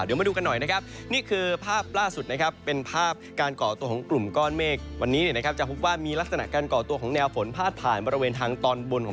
เดี๋ยวมาดูกันหน่อยนะครับนี่คือภาพล่าสุดนะครับ